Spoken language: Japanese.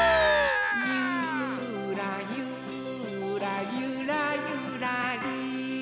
「ゆーらゆーらゆらゆらりー」